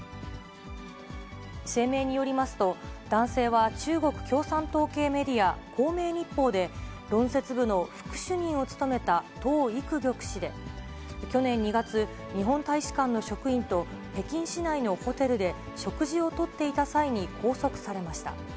声明によりますと、男性は中国共産党系メディア、光明日報で、論説部の副主任を務めた、董郁玉氏で、去年２月、日本大使館の職員と北京市内のホテルで食事をとっていた際に拘束されました。